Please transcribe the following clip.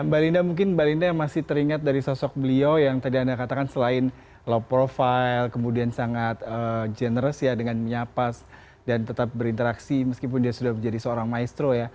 mbak linda mungkin mbak linda masih teringat dari sosok beliau yang tadi anda katakan selain low profile kemudian sangat generas ya dengan menyapas dan tetap berinteraksi meskipun dia sudah menjadi seorang maestro ya